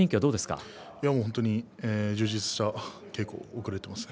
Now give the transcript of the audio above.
本当に充実した稽古を送れています。